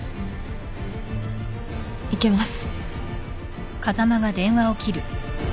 いけます。